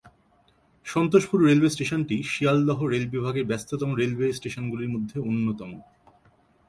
Santoshpur railway স্টেশনটি Sealdah rail বিভাগের ব্যস্ততম রেলওয়ে স্টেশনগুলির মধ্যে অন্যতম।